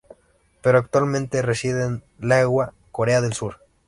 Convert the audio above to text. Pero actualmente reside en Daegu, Corea del Sur.